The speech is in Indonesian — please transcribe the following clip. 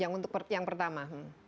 yang untuk yang pertama